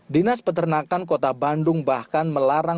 dinas peternakan kota bandung bahkan melarang pembungkusan plastik